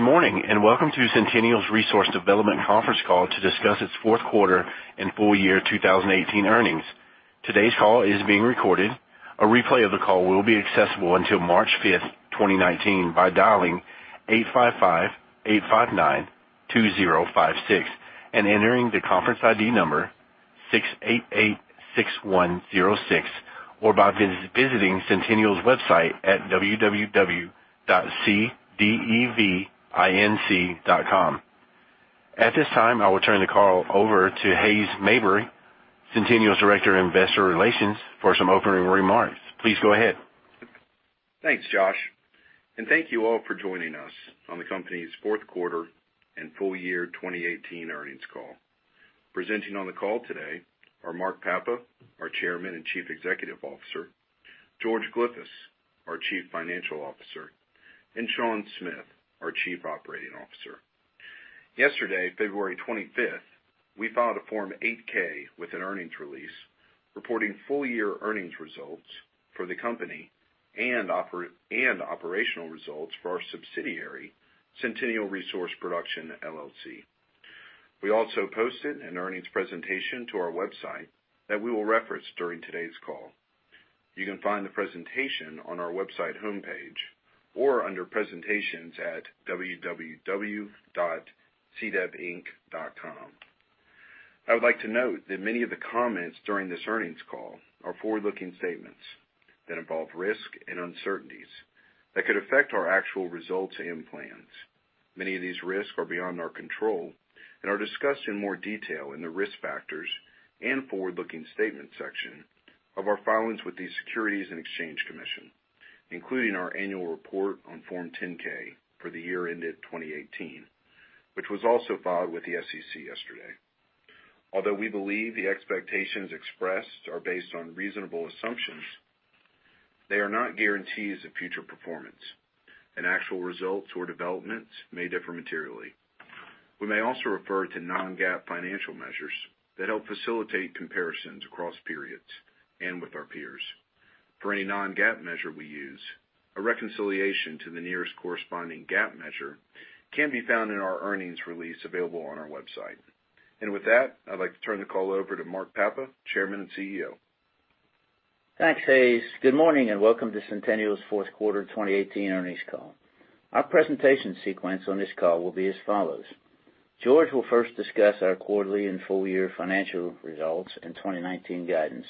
Good morning, welcome to Centennial Resource Development conference call to discuss its fourth quarter and full year 2018 earnings. Today's call is being recorded. A replay of the call will be accessible until March 5th, 2019, by dialing 855-859-2056 and entering the conference ID number 6886106, or by visiting Centennial's website at www.cdevinc.com. At this time, I will turn the call over to Hays Mabry, Centennial's Director of Investor Relations, for some opening remarks. Please go ahead. Thanks, Josh, thank you all for joining us on the company's fourth quarter and full year 2018 earnings call. Presenting on the call today are Mark Papa, our Chairman and Chief Executive Officer, George Glyphis, our Chief Financial Officer, Sean Smith, our Chief Operating Officer. Yesterday, February 25th, we filed a Form 8-K with an earnings release reporting full-year earnings results for the company and operational results for our subsidiary, Centennial Resource Production LLC. We also posted an earnings presentation to our website that we will reference during today's call. You can find the presentation on our website homepage or under presentations at www.cdevinc.com. I would like to note that many of the comments during this earnings call are forward-looking statements that involve risk and uncertainties that could affect our actual results and plans. Many of these risks are beyond our control, are discussed in more detail in the risk factors and forward-looking statements section of our filings with the Securities and Exchange Commission, including our annual report on Form 10-K for the year ended 2018, which was also filed with the SEC yesterday. Although we believe the expectations expressed are based on reasonable assumptions, they are not guarantees of future performance, actual results or developments may differ materially. We may also refer to non-GAAP financial measures that help facilitate comparisons across periods and with our peers. For any non-GAAP measure we use, a reconciliation to the nearest corresponding GAAP measure can be found in our earnings release available on our website. With that, I'd like to turn the call over to Mark Papa, Chairman and CEO. Thanks, Hays. Good morning, welcome to Centennial's fourth quarter 2018 earnings call. Our presentation sequence on this call will be as follows. George will first discuss our quarterly and full-year financial results and 2019 guidance.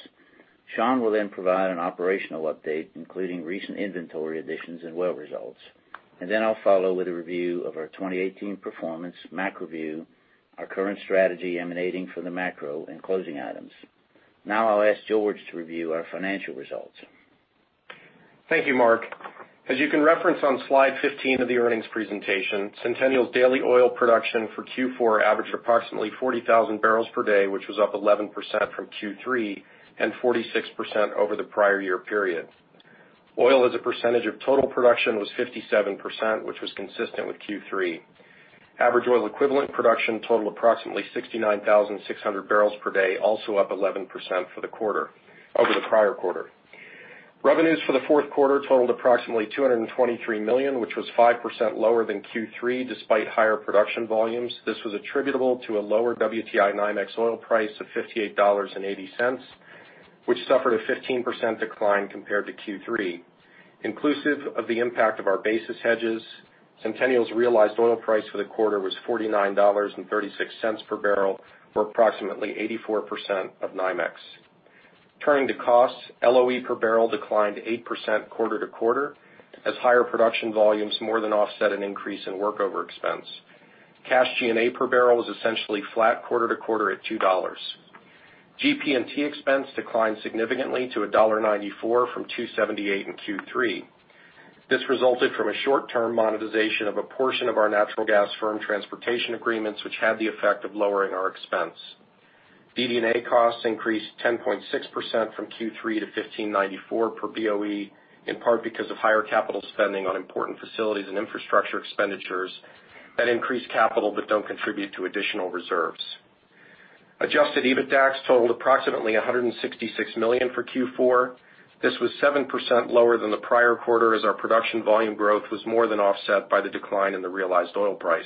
Sean will then provide an operational update, including recent inventory additions and well results. Then I'll follow with a review of our 2018 performance, macro view, our current strategy emanating from the macro and closing items. Now I'll ask George to review our financial results. Thank you, Mark. As you can reference on slide 15 of the earnings presentation, Centennial's daily oil production for Q4 averaged approximately 40,000 barrels per day, which was up 11% from Q3 and 46% over the prior year period. Oil as a percentage of total production was 57%, which was consistent with Q3. Average oil equivalent production totaled approximately 69,600 barrels per day, also up 11% for the quarter over the prior quarter. Revenues for the fourth quarter totaled approximately $223 million, which was 5% lower than Q3 despite higher production volumes. This was attributable to a lower WTI NYMEX oil price of $58.80, which suffered a 15% decline compared to Q3. Inclusive of the impact of our basis hedges, Centennial's realized oil price for the quarter was $49.36 per barrel, or approximately 84% of NYMEX. Turning to costs, LOE per barrel declined 8% quarter-to-quarter as higher production volumes more than offset an increase in workover expense. Cash G&A per barrel was essentially flat quarter-to-quarter at $2. GP&T expense declined significantly to $1.94 from $2.78 in Q3. This resulted from a short-term monetization of a portion of our natural gas firm transportation agreements, which had the effect of lowering our expense. DD&A costs increased 10.6% from Q3 to $15.94 per BOE, in part because of higher capital spending on important facilities and infrastructure expenditures that increase capital but don't contribute to additional reserves. Adjusted EBITDAX totaled approximately $166 million for Q4. This was 7% lower than the prior quarter as our production volume growth was more than offset by the decline in the realized oil price.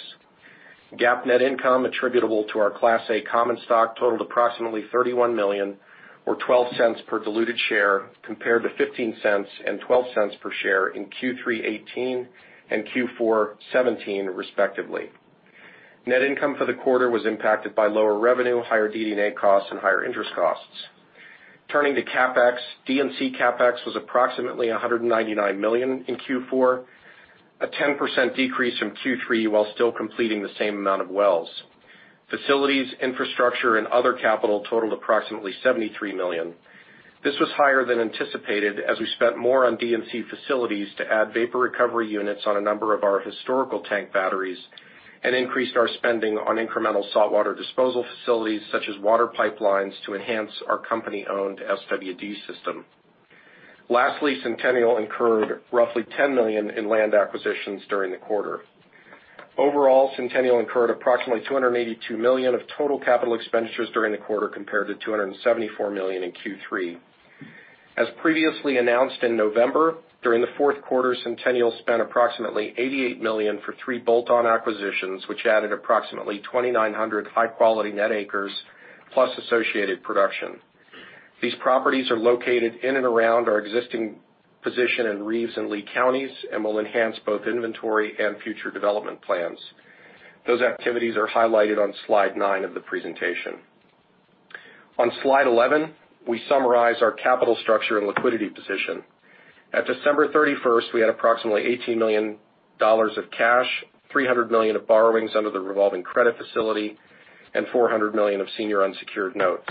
GAAP net income attributable to our Class A common stock totaled approximately $31 million or $0.12 per diluted share compared to $0.15 and $0.12 per share in Q3 2018 and Q4 2017 respectively. Net income for the quarter was impacted by lower revenue, higher DD&A costs, and higher interest costs. Turning to CapEx, D&C CapEx was approximately $199 million in Q4, a 10% decrease from Q3 while still completing the same amount of wells. Facilities, infrastructure, and other capital totaled approximately $173 million. This was higher than anticipated as we spent more on D&C facilities to add vapor recovery units on a number of our historical tank batteries and increased our spending on incremental saltwater disposal facilities such as water pipelines to enhance our company-owned SWD system. Lastly, Centennial incurred roughly $10 million in land acquisitions during the quarter. Overall, Centennial incurred approximately $282 million of total capital expenditures during the quarter compared to $274 million in Q3. As previously announced in November, during the fourth quarter, Centennial spent approximately $88 million for three bolt-on acquisitions, which added approximately 2,900 high-quality net acres, plus associated production. These properties are located in and around our existing position in Reeves and Lea counties and will enhance both inventory and future development plans. Those activities are highlighted on slide nine of the presentation. On slide 11, we summarize our capital structure and liquidity position. At December 31st, we had approximately $18 million of cash, $300 million of borrowings under the revolving credit facility, and $400 million of senior unsecured notes.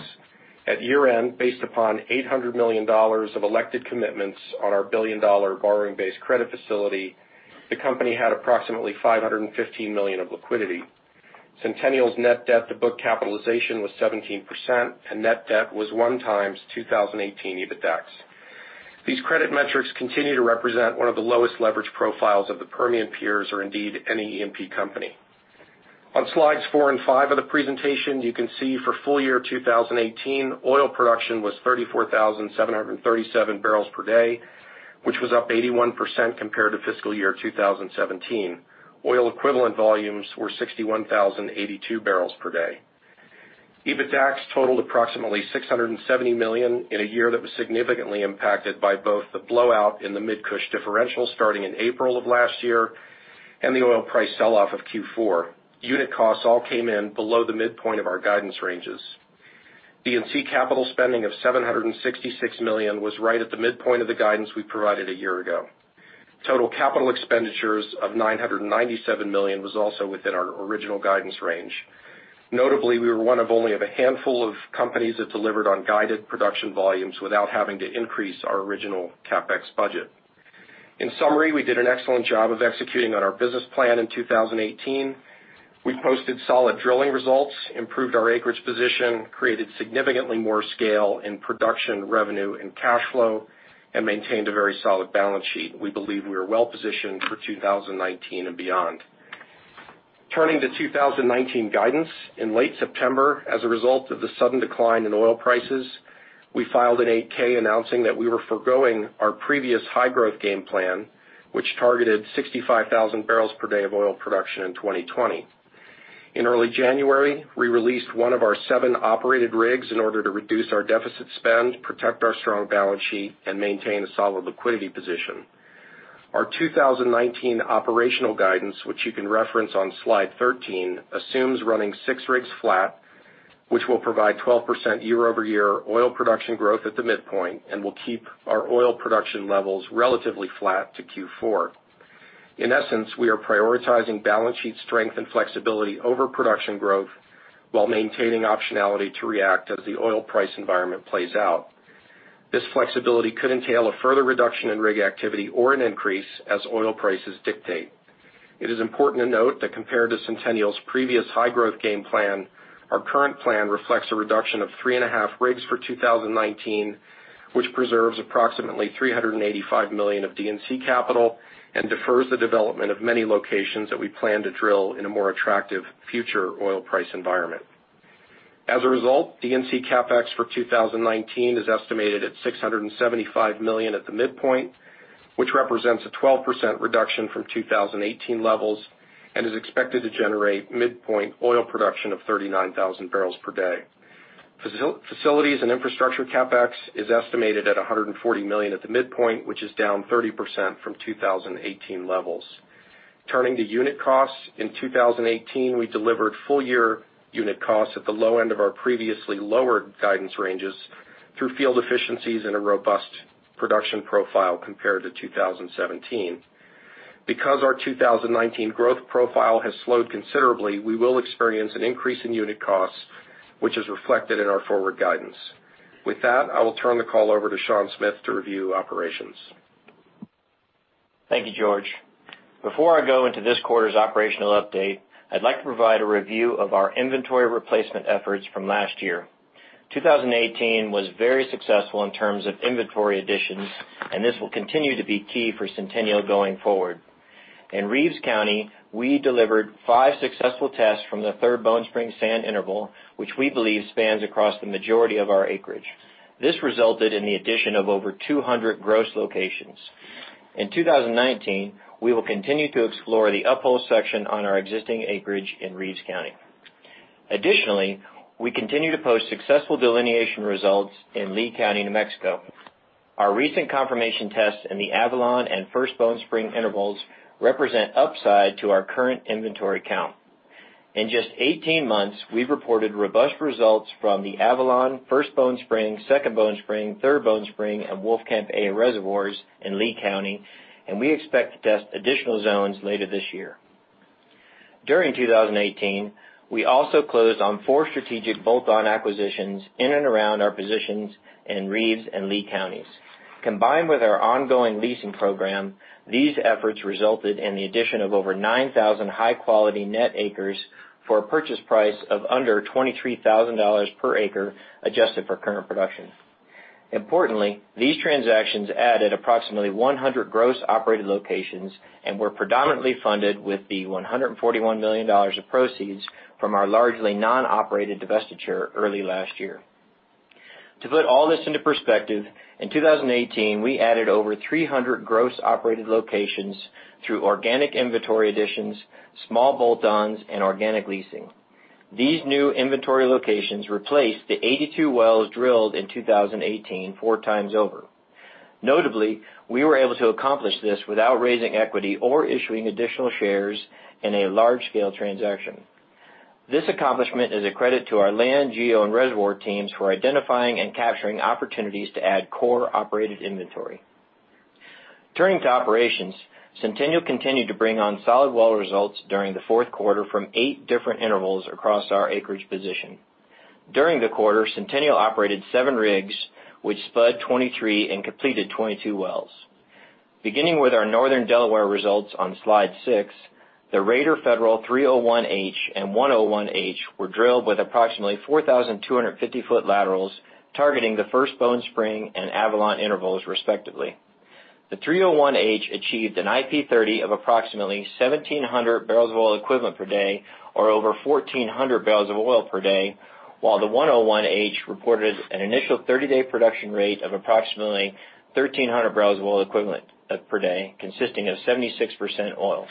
At year-end, based upon $800 million of elected commitments on our billion-dollar borrowing base credit facility, the company had approximately $515 million of liquidity. Centennial's net debt to book capitalization was 17%, and net debt was one times 2018 EBITDAX. These credit metrics continue to represent one of the lowest leverage profiles of the Permian peers, or indeed, any E&P company. On slides four and five of the presentation, you can see for full year 2018, oil production was 34,737 barrels per day, which was up 81% compared to fiscal year 2017. Oil equivalent volumes were 61,082 barrels per day. EBITDAX totaled approximately $670 million in a year that was significantly impacted by both the blowout in the Midland-Cushing differential starting in April of last year and the oil price sell-off of Q4. Unit costs all came in below the midpoint of our guidance ranges. D&C capital spending of $766 million was right at the midpoint of the guidance we provided a year ago. Total capital expenditures of $997 million was also within our original guidance range. Notably, we were one of only a handful of companies that delivered on guided production volumes without having to increase our original CapEx budget. In summary, we did an excellent job of executing on our business plan in 2018. We posted solid drilling results, improved our acreage position, created significantly more scale in production revenue and cash flow, and maintained a very solid balance sheet. We believe we are well positioned for 2019 and beyond. Turning to 2019 guidance. In late September, as a result of the sudden decline in oil prices, we filed an 8-K announcing that we were forgoing our previous high-growth game plan, which targeted 65,000 barrels per day of oil production in 2020. In early January, we released one of our seven operated rigs in order to reduce our deficit spend, protect our strong balance sheet, and maintain a solid liquidity position. Our 2019 operational guidance, which you can reference on slide 13, assumes running six rigs flat, which will provide 12% year-over-year oil production growth at the midpoint and will keep our oil production levels relatively flat to Q4. In essence, we are prioritizing balance sheet strength and flexibility over production growth while maintaining optionality to react as the oil price environment plays out. This flexibility could entail a further reduction in rig activity or an increase as oil prices dictate. It is important to note that compared to Centennial's previous high-growth game plan, our current plan reflects a reduction of three and a half rigs for 2019, which preserves approximately $385 million of D&C capital and defers the development of many locations that we plan to drill in a more attractive future oil price environment. As a result, D&C CapEx for 2019 is estimated at $675 million at the midpoint, which represents a 12% reduction from 2018 levels and is expected to generate midpoint oil production of 39,000 barrels per day. Facilities and infrastructure CapEx is estimated at $140 million at the midpoint, which is down 30% from 2018 levels. Turning to unit costs. In 2018, we delivered full-year unit costs at the low end of our previously lowered guidance ranges through field efficiencies and a robust production profile compared to 2017. Because our 2019 growth profile has slowed considerably, we will experience an increase in unit costs, which is reflected in our forward guidance. With that, I will turn the call over to Sean Smith to review operations. Thank you, George. Before I go into this quarter's operational update, I'd like to provide a review of our inventory replacement efforts from last year. 2018 was very successful in terms of inventory additions. This will continue to be key for Centennial going forward. In Reeves County, we delivered five successful tests from the Third Bone Spring Sand interval, which we believe spans across the majority of our acreage. This resulted in the addition of over 200 gross locations. In 2019, we will continue to explore the uphole section on our existing acreage in Reeves County. Additionally, we continue to post successful delineation results in Lea County, New Mexico. Our recent confirmation tests in the Avalon and First Bone Spring intervals represent upside to our current inventory count. In just 18 months, we've reported robust results from the Avalon, First Bone Spring, Second Bone Spring, Third Bone Spring, and Wolfcamp A reservoirs in Lea County. We expect to test additional zones later this year. During 2018, we also closed on four strategic bolt-on acquisitions in and around our positions in Reeves and Lea counties. Combined with our ongoing leasing program, these efforts resulted in the addition of over 9,000 high-quality net acres for a purchase price of under $23,000 per acre, adjusted for current production. Importantly, these transactions added approximately 100 gross operated locations and were predominantly funded with the $141 million of proceeds from our largely non-operated divestiture early last year. To put all this into perspective, in 2018, we added over 300 gross operated locations through organic inventory additions, small bolt-ons, and organic leasing. These new inventory locations replaced the 82 wells drilled in 2018 four times over. Notably, we were able to accomplish this without raising equity or issuing additional shares in a large-scale transaction. This accomplishment is a credit to our land, geo, and reservoir teams for identifying and capturing opportunities to add core operated inventory. Turning to operations, Centennial continued to bring on solid well results during the fourth quarter from eight different intervals across our acreage position. During the quarter, Centennial operated seven rigs, which spud 23 and completed 22 wells. Beginning with our Northern Delaware results on slide six, the Raider Federal 301H and 101H were drilled with approximately 4,250-foot laterals targeting the First Bone Spring and Avalon intervals respectively. The 301H achieved an IP 30 of approximately 1,700 barrels of oil equivalent per day, or over 1,400 barrels of oil per day, while the 101H reported an initial 30-day production rate of approximately 1,300 barrels of oil equivalent per day, consisting of 76% oil.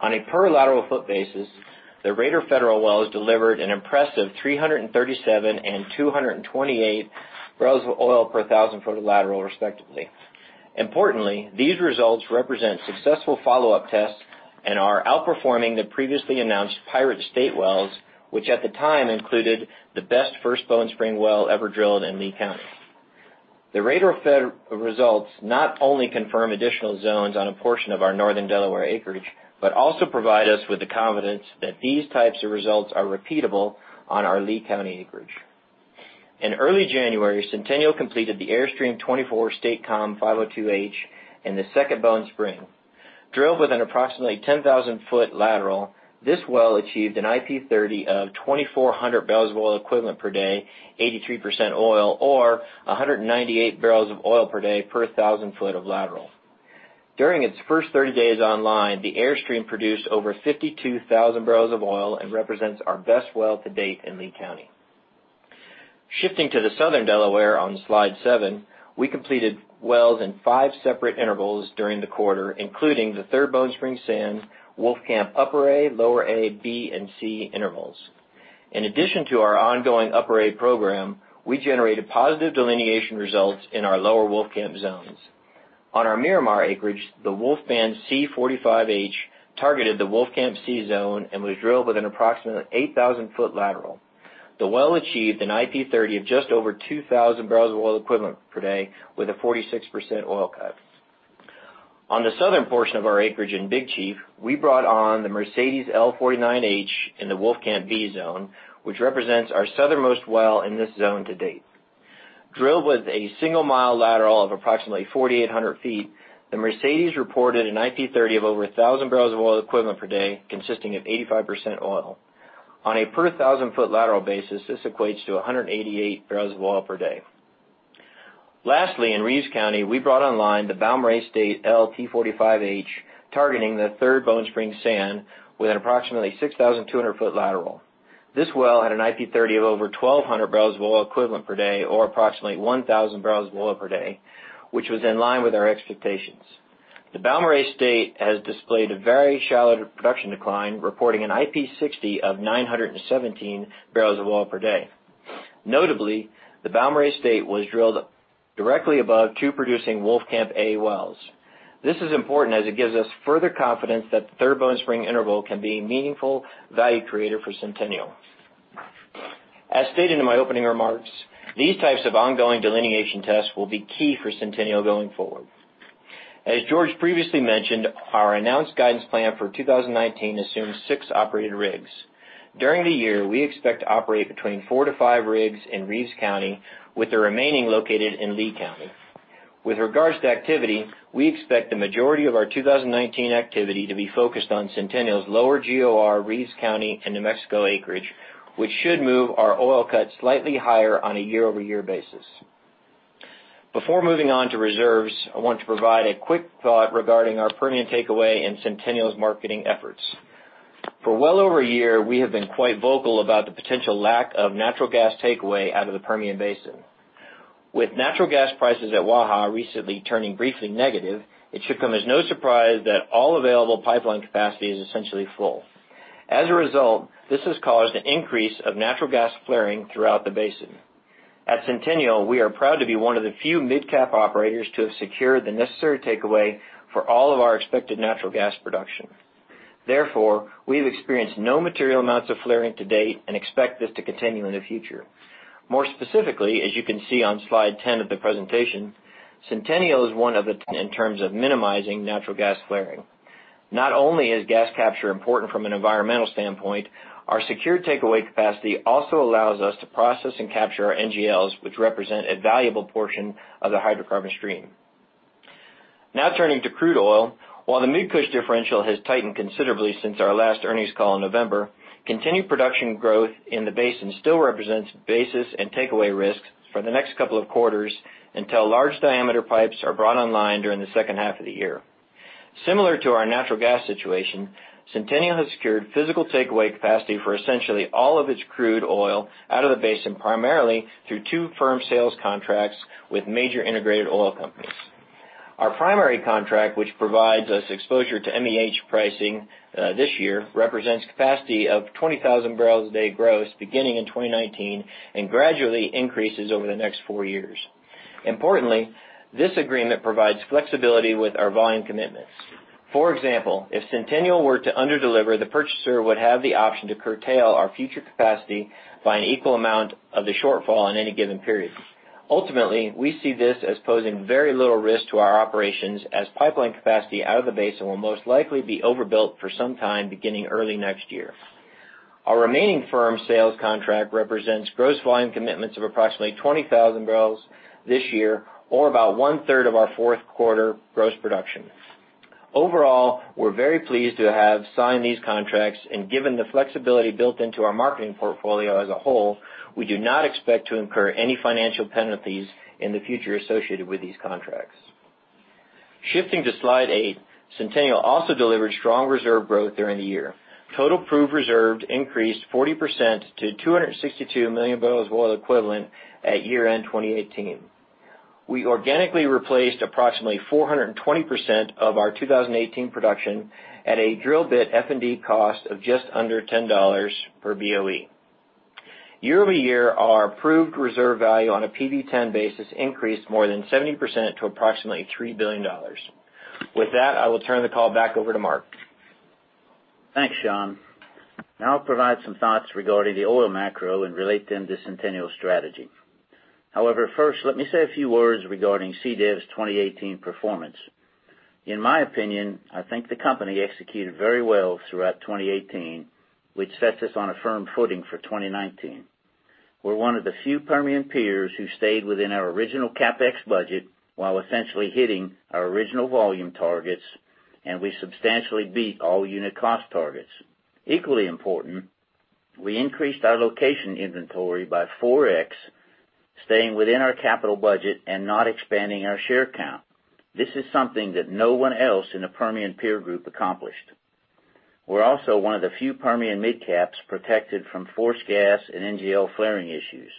On a per lateral foot basis, the Raider Federal wells delivered an impressive 337 and 228 barrels of oil per 1,000 foot of lateral respectively. Importantly, these results represent successful follow-up tests and are outperforming the previously announced Pirate State wells, which at the time included the best First Bone Spring well ever drilled in Lea County. The Raider Fed results not only confirm additional zones on a portion of our Northern Delaware acreage, but also provide us with the confidence that these types of results are repeatable on our Lea County acreage. In early January, Centennial completed the Airstream 24 State Com 502H in the Second Bone Spring. Drilled with an approximately 10,000-foot lateral, this well achieved an IP 30 of 2,400 barrels of oil equivalent per day, 83% oil, or 198 barrels of oil per day per 1,000 foot of lateral. During its first 30 days online, the Airstream produced over 52,000 barrels of oil and represents our best well to date in Lea County. Shifting to the Southern Delaware on slide seven, we completed wells in five separate intervals during the quarter, including the Third Bone Spring Sand, Wolfcamp Upper A, Lower A, B, and C intervals. In addition to our ongoing Upper A program, we generated positive delineation results in our lower Wolfcamp zones. On our Miramar acreage, the Wolfman C45H targeted the Wolfcamp C zone and was drilled with an approximate 8,000-foot lateral. The well achieved an IP 30 of just over 2,000 barrels of oil equivalent per day with a 46% oil cut. On the southern portion of our acreage in Big Chief, we brought on the Mercedes L49H in the Wolfcamp B zone, which represents our southernmost well in this zone to date. Drilled with a single-mile lateral of approximately 4,800 feet, the Mercedes reported an IP 30 of over 1,000 barrels of oil equivalent per day, consisting of 85% oil. On a per 1,000-foot lateral basis, this equates to 188 barrels of oil per day. Lastly, in Reeves County, we brought online the Balmorhea State LT45H, targeting the Third Bone Spring Sand with an approximately 6,200-foot lateral. This well had an IP 30 of over 1,200 barrels of oil equivalent per day, or approximately 1,000 barrels of oil per day, which was in line with our expectations. The Balmorhea State has displayed a very shallow production decline, reporting an IP 60 of 917 barrels of oil per day. Notably, the Balmorhea State was drilled directly above two producing Wolfcamp A wells. This is important as it gives us further confidence that Third Bone Spring interval can be a meaningful value creator for Centennial. As stated in my opening remarks, these types of ongoing delineation tests will be key for Centennial going forward. As George previously mentioned, our announced guidance plan for 2019 assumes six operated rigs. During the year, we expect to operate between four to five rigs in Reeves County, with the remaining located in Lea County. With regards to activity, we expect the majority of our 2019 activity to be focused on Centennial's lower GOR Reeves County and New Mexico acreage, which should move our oil cut slightly higher on a year-over-year basis. Before moving on to reserves, I want to provide a quick thought regarding our Permian Basin takeaway and Centennial’s marketing efforts. For well over a year, we have been quite vocal about the potential lack of natural gas takeaway out of the Permian Basin. With natural gas prices at Waha recently turning briefly negative, it should come as no surprise that all available pipeline capacity is essentially full. As a result, this has caused an increase of natural gas flaring throughout the basin. At Centennial, we are proud to be one of the few mid-cap operators to have secured the necessary takeaway for all of our expected natural gas production. Therefore, we have experienced no material amounts of flaring to date and expect this to continue in the future. More specifically, as you can see on slide 10 of the presentation, Centennial is one of the in terms of minimizing natural gas flaring. Not only is gas capture important from an environmental standpoint, our secured takeaway capacity also allows us to process and capture our NGLs, which represent a valuable portion of the hydrocarbon stream. Now turning to crude oil. While the MidCush differential has tightened considerably since our last earnings call in November, continued production growth in the basin still represents basis and takeaway risks for the next couple of quarters until large-diameter pipes are brought online during the second half of the year. Similar to our natural gas situation, Centennial has secured physical takeaway capacity for essentially all of its crude oil out of the basin, primarily through two firm sales contracts with major integrated oil companies. Our primary contract, which provides us exposure to MEH pricing this year, represents capacity of 20,000 barrels a day gross beginning in 2019, gradually increases over the next four years. Importantly, this agreement provides flexibility with our volume commitments. For example, if Centennial were to under-deliver, the purchaser would have the option to curtail our future capacity by an equal amount of the shortfall in any given period. Ultimately, we see this as posing very little risk to our operations, as pipeline capacity out of the basin will most likely be overbuilt for some time, beginning early next year. Our remaining firm sales contract represents gross volume commitments of approximately 20,000 barrels this year, or about one-third of our fourth quarter gross production. Overall, we're very pleased to have signed these contracts, given the flexibility built into our marketing portfolio as a whole, we do not expect to incur any financial penalties in the future associated with these contracts. Shifting to slide eight, Centennial also delivered strong reserve growth during the year. Total proved reserves increased 40% to 262 million barrels of oil equivalent at year-end 2018. We organically replaced approximately 420% of our 2018 production at a drill bit F&D cost of just under $10 per BOE. Year-over-year, our proved reserve value on a PV-10 basis increased more than 70% to approximately $3 billion. With that, I will turn the call back over to Mark. Thanks, Sean. Now I'll provide some thoughts regarding the oil macro and relate them to Centennial's strategy. First, let me say a few words regarding CDEV's 2018 performance. In my opinion, I think the company executed very well throughout 2018, which sets us on a firm footing for 2019. We're one of the few Permian peers who stayed within our original CapEx budget, while essentially hitting our original volume targets, and we substantially beat all unit cost targets. Equally important, we increased our location inventory by 4x, staying within our capital budget and not expanding our share count. This is something that no one else in the Permian peer group accomplished. We're also one of the few Permian midcaps protected from forced gas and NGL flaring issues.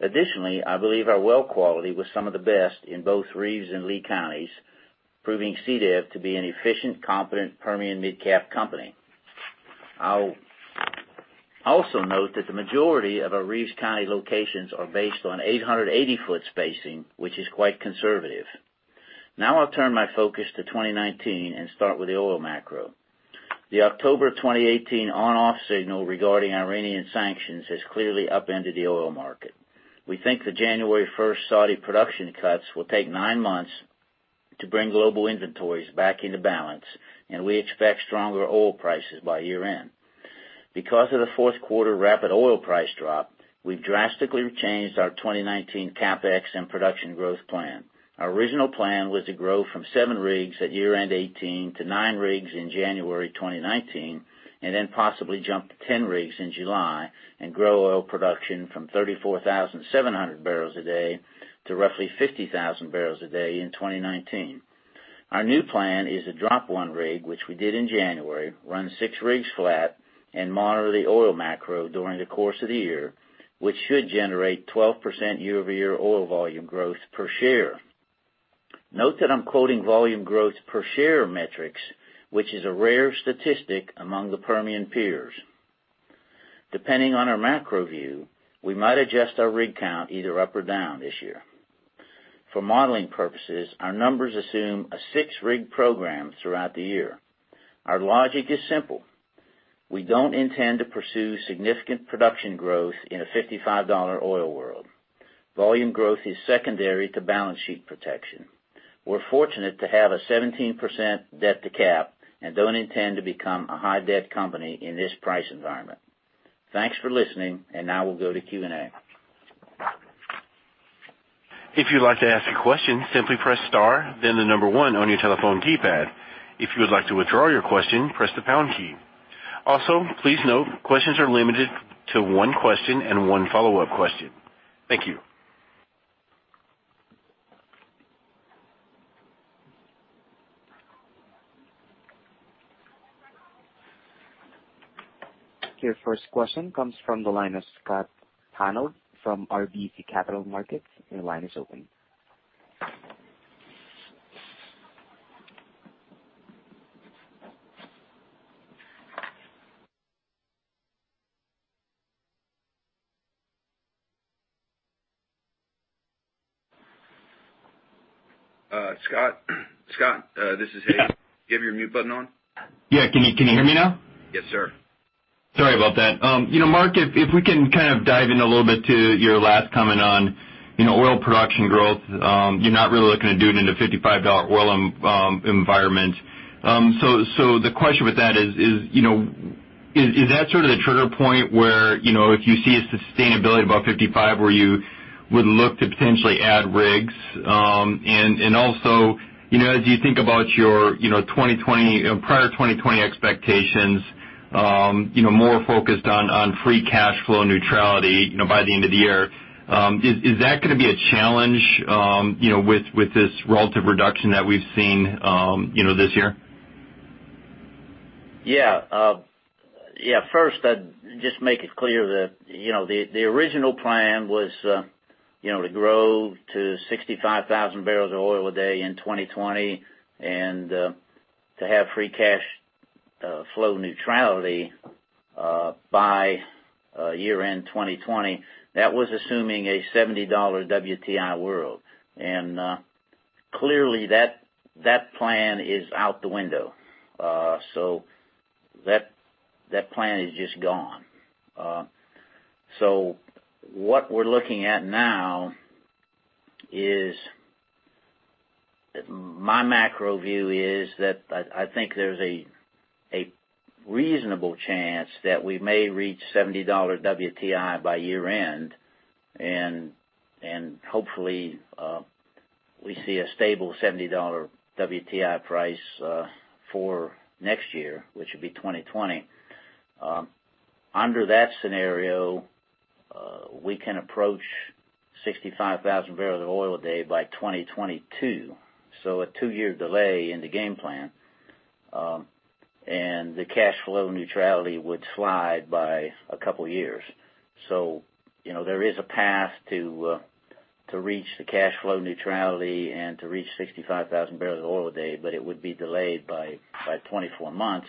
Additionally, I believe our well quality was some of the best in both Reeves and Lea counties, proving CDEV to be an efficient, competent Permian midcap company. I'll also note that the majority of our Reeves County locations are based on 880-foot spacing, which is quite conservative. Now I'll turn my focus to 2019 and start with the oil macro. The October 2018 on/off signal regarding Iranian sanctions has clearly upended the oil market. We think the January 1st Saudi production cuts will take nine months to bring global inventories back into balance, and we expect stronger oil prices by year-end. Because of the fourth quarter rapid oil price drop, we've drastically changed our 2019 CapEx and production growth plan. Our original plan was to grow from seven rigs at year-end 2018 to nine rigs in January 2019, possibly jump to 10 rigs in July, and grow oil production from 34,700 barrels a day to roughly 50,000 barrels a day in 2019. Our new plan is to drop one rig, which we did in January, run six rigs flat, and monitor the oil macro during the course of the year, which should generate 12% year-over-year oil volume growth per share. Note that I'm quoting volume growth per share metrics, which is a rare statistic among the Permian peers. Depending on our macro view, we might adjust our rig count either up or down this year. For modeling purposes, our numbers assume a six-rig program throughout the year. Our logic is simple. We don't intend to pursue significant production growth in a $55 oil world. Volume growth is secondary to balance sheet protection. We're fortunate to have a 17% debt to cap and don't intend to become a high-debt company in this price environment. Thanks for listening. Now we'll go to Q&A. If you'd like to ask a question, simply press star, then the number 1 on your telephone keypad. If you would like to withdraw your question, press the pound key. Also, please note, questions are limited to one question and one follow-up question. Thank you. Your first question comes from the line of Scott Hanold from RBC Capital Markets. Your line is open. Scott, this is Hays. Do you have your mute button on? Yeah. Can you hear me now? Yes, sir. Sorry about that. Mark, if we can dive in a little bit to your last comment on oil production growth. You're not really looking at doing it in a $55 oil environment. The question with that is: Is that sort of the trigger point where, if you see a sustainability above $55, where you would look to potentially add rigs? Also, as you think about your prior 2020 expectations More focused on free cash flow neutrality by the end of the year. Is that going to be a challenge with this relative reduction that we've seen this year? Yeah. First, just make it clear that the original plan was to grow to 65,000 barrels of oil a day in 2020, and to have free cash flow neutrality by year-end 2020. That was assuming a $70 WTI world. Clearly that plan is out the window. That plan is just gone. What we're looking at now is, my macro view is that I think there's a reasonable chance that we may reach $70 WTI by year-end, and hopefully we see a stable $70 WTI price for next year, which would be 2020. Under that scenario, we can approach 65,000 barrels of oil a day by 2022, so a two-year delay in the game plan. The cash flow neutrality would slide by a couple of years. There is a path to reach the cash flow neutrality and to reach 65,000 barrels of oil a day, but it would be delayed by 24 months,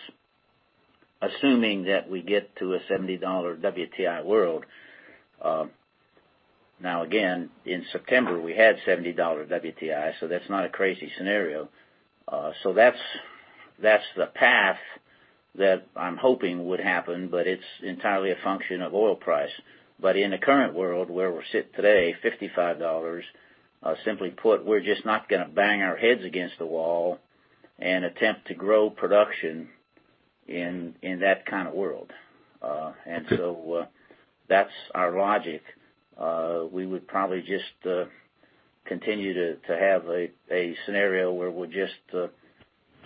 assuming that we get to a $70 WTI world. Again, in September, we had $70 WTI, that's not a crazy scenario. That's the path that I'm hoping would happen, but it's entirely a function of oil price. In the current world where we sit today, $55, simply put, we're just not going to bang our heads against the wall and attempt to grow production in that kind of world. That's our logic. We would probably just continue to have a scenario where we'll just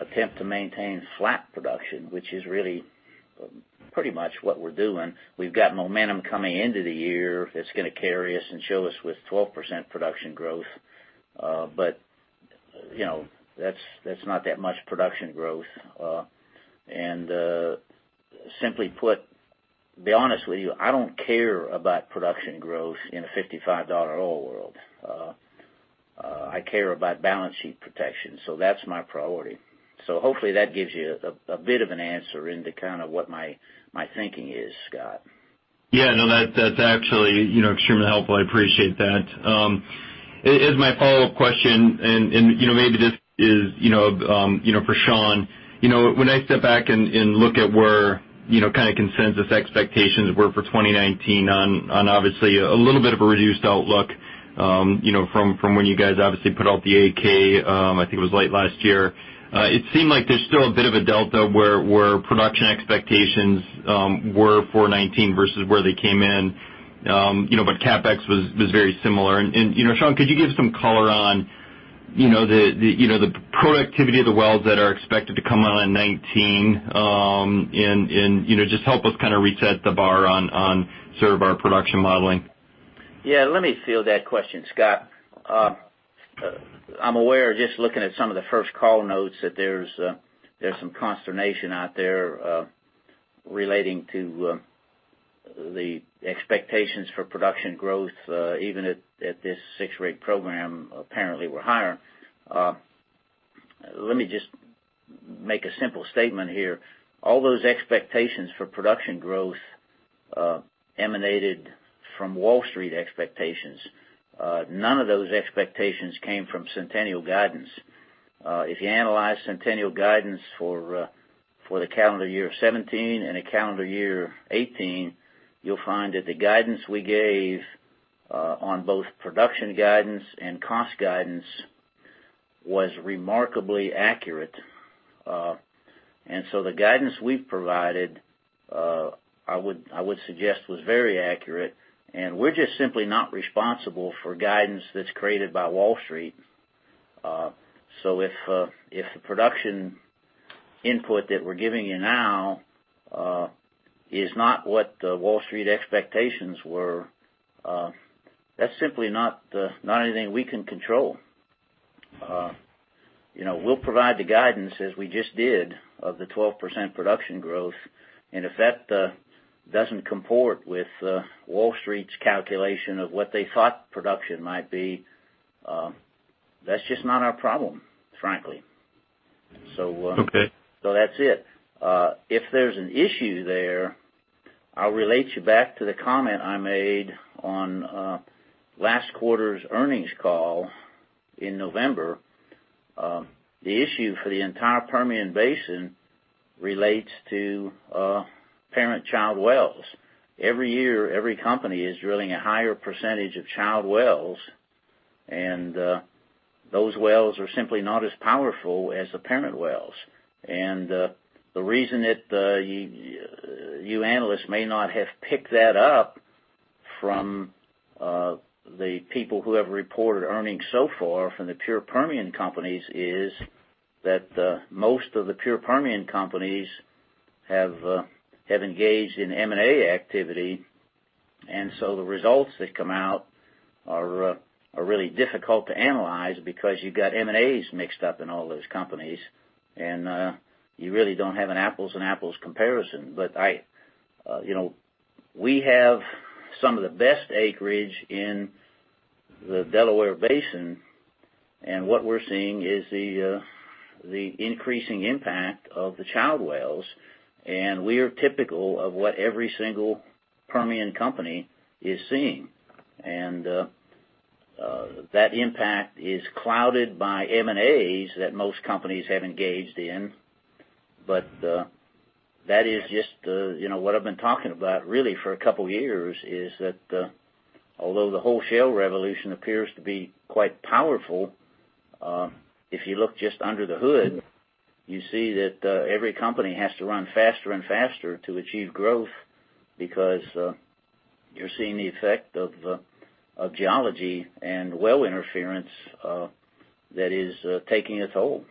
attempt to maintain flat production, which is really pretty much what we're doing. We've got momentum coming into the year that's going to carry us and show us with 12% production growth. That's not that much production growth. Simply put, to be honest with you, I don't care about production growth in a $55 oil world. I care about balance sheet protection, that's my priority. Hopefully that gives you a bit of an answer into what my thinking is, Scott. Yeah, no. That's actually extremely helpful. I appreciate that. As my follow-up question, maybe this is for Sean. When I step back and look at where consensus expectations were for 2019 on obviously a little bit of a reduced outlook from when you guys obviously put out the Form 8-K I think it was late last year. It seemed like there's still a bit of a delta where production expectations were for 2019 versus where they came in, but CapEx was very similar. Sean, could you give some color on the productivity of the wells that are expected to come out in 2019, and just help us reset the bar on sort of our production modeling? Yeah. Let me field that question, Scott. I'm aware, just looking at some of the first call notes, that there's some consternation out there relating to the expectations for production growth, even at this six-rig program, apparently were higher. Let me just make a simple statement here. All those expectations for production growth emanated from Wall Street expectations. None of those expectations came from Centennial guidance. If you analyze Centennial guidance for the calendar year 2017 and the calendar year 2018, you'll find that the guidance we gave on both production guidance and cost guidance was remarkably accurate. The guidance we've provided, I would suggest was very accurate, and we're just simply not responsible for guidance that's created by Wall Street. If the production input that we're giving you now is not what the Wall Street expectations were, that's simply not anything we can control. We'll provide the guidance as we just did of the 12% production growth. If that doesn't comport with Wall Street's calculation of what they thought production might be, that's just not our problem, frankly. Okay. That's it. If there's an issue there, I'll relate you back to the comment I made on last quarter's earnings call in November. The issue for the entire Permian Basin relates to parent-child wells. Every year, every company is drilling a higher percentage of child wells. Those wells are simply not as powerful as the parent wells. The reason that you analysts may not have picked that up from the people who have reported earnings so far from the pure Permian companies is that most of the pure Permian companies have engaged in M&A activity. The results that come out are really difficult to analyze because you've got M&As mixed up in all those companies, and you really don't have an apples and apples comparison. We have some of the best acreage in the Delaware Basin. What we're seeing is the increasing impact of the child wells. We are typical of what every single Permian company is seeing. That impact is clouded by M&As that most companies have engaged in. That is just what I've been talking about, really, for a couple of years, is that although the whole shale revolution appears to be quite powerful, if you look just under the hood, you see that every company has to run faster and faster to achieve growth because you're seeing the effect of geology and well interference that is taking a toll.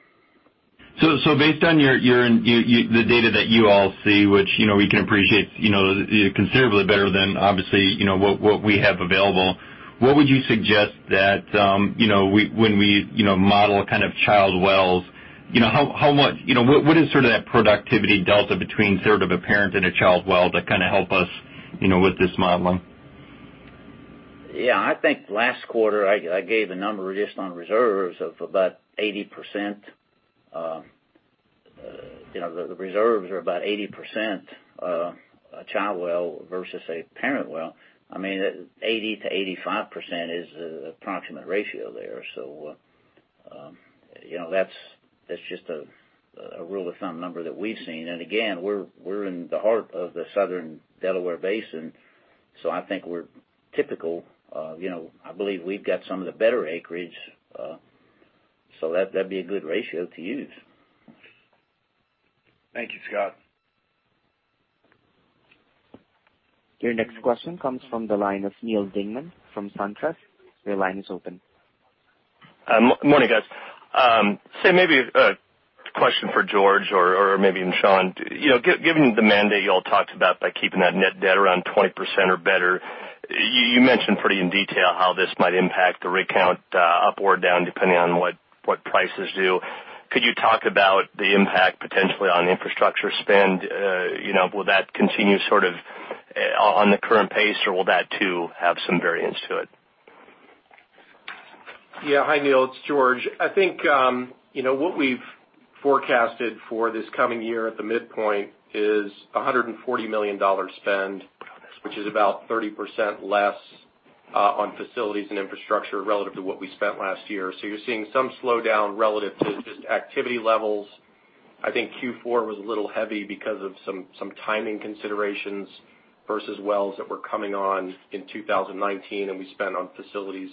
Based on the data that you all see, which we can appreciate is considerably better than, obviously, what we have available, what would you suggest that when we model child wells, what is that productivity delta between a parent and a child well to help us with this modeling? Yeah. I think last quarter, I gave a number just on reserves of about 80%. The reserves are about 80% a child well versus a parent well. 80%-85% is the approximate ratio there. That's just a rule of thumb number that we've seen. Again, we're in the heart of the Southern Delaware Basin, so I think we're typical. I believe we've got some of the better acreage, so that'd be a good ratio to use. Thank you, Scott. Your next question comes from the line of Neal Dingmann from SunTrust. Your line is open. Morning, guys. Maybe a question for George or maybe even Sean. Given the mandate you all talked about by keeping that net debt around 20% or better, you mentioned pretty in detail how this might impact the rig count up or down, depending on what prices do. Could you talk about the impact potentially on infrastructure spend? Will that continue on the current pace, or will that too have some variance to it? Hi, Neal. It's George. I think what we've forecasted for this coming year at the midpoint is $140 million spend, which is about 30% less on facilities and infrastructure relative to what we spent last year. You're seeing some slowdown relative to just activity levels. I think Q4 was a little heavy because of some timing considerations versus wells that were coming on in 2019, and we spent on facilities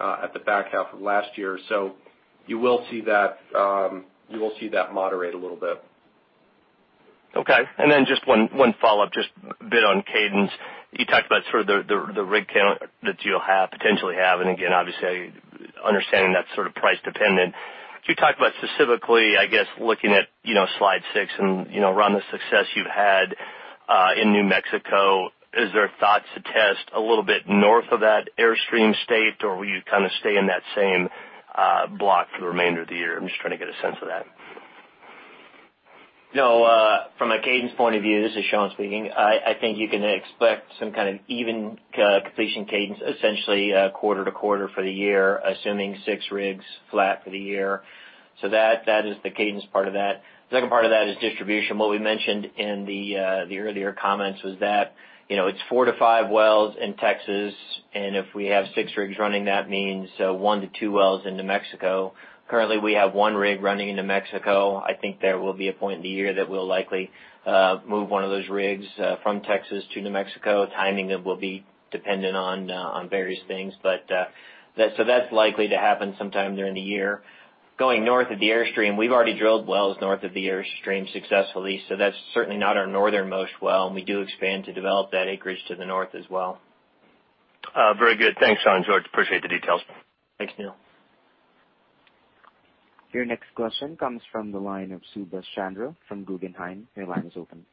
at the back half of last year. You will see that moderate a little bit. Okay. Just one follow-up, just a bit on cadence. You talked about the rig count that you'll potentially have, and again, obviously, understanding that's price dependent. Could you talk about specifically, I guess, looking at slide six and around the success you've had in New Mexico, is there a thought to test a little bit north of that Airstream State, or will you stay in that same block for the remainder of the year? I'm just trying to get a sense of that. No. From a cadence point of view, this is Sean speaking, I think you can expect some kind of even completion cadence, essentially quarter to quarter for the year, assuming six rigs flat for the year. That is the cadence part of that. The second part of that is distribution. What we mentioned in the earlier comments was that it's four to five wells in Texas, and if we have six rigs running, that means one to two wells in New Mexico. Currently, we have one rig running in New Mexico. I think there will be a point in the year that we'll likely move one of those rigs from Texas to New Mexico. Timing of will be dependent on various things. That's likely to happen sometime during the year. Going north of the Airstream, we've already drilled wells north of the Airstream successfully. That's certainly not our northernmost well, we do expand to develop that acreage to the north as well. Very good. Thanks, Sean, George. Appreciate the details. Thanks, Neal. Your next question comes from the line of Subash Chandra from Guggenheim. Your line is open.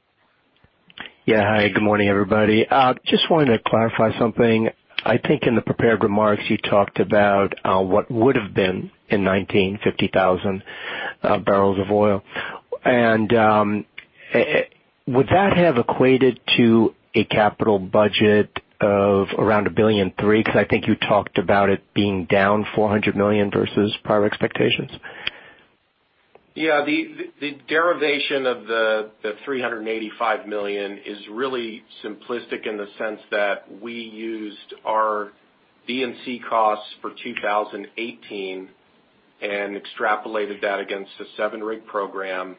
Yeah. Hi, good morning, everybody. Just wanted to clarify something. I think in the prepared remarks, you talked about what would've been in 2019 50,000 barrels of oil. Would that have equated to a capital budget of around $1 billion and three? Because I think you talked about it being down $400 million versus prior expectations. Yeah. The derivation of the $385 million is really simplistic in the sense that we used our D&C costs for 2018 and extrapolated that against the seven-rig program,